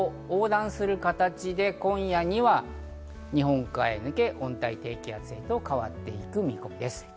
その後は東北地方を横断する形で、今夜には日本海に抜け、温帯低気圧へと変わっていく見込みです。